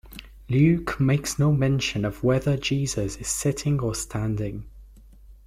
Luke makes no mention of whether Jesus is sitting or standing.